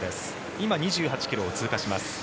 今、２８ｋｍを通過します。